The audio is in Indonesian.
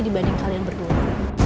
dibanding kalian berdua